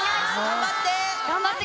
頑張って。